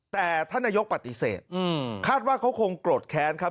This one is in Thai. แต่ท่านนายกปฏิเสธคาดว่าเขาคงโกรธแค้นครับ